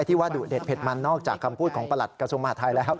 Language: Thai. ที่ว่าดุเด็ดเด็ดมันนอกจากคำพูดของประหลัดกระทรวงมหาทัยแล้ว